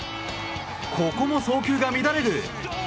ここも送球が乱れる。